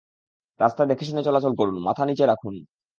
রাস্তায় দেখেশুনে চলাচল করুন, মাথা নিচে রাখুন!